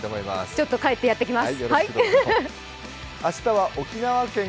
ちょっと帰ってやってきます！